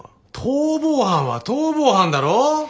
逃亡犯は逃亡犯だろ。